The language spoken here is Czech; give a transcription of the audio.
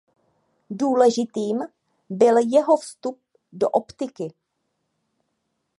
Důležitým byl jeho vstup do optiky.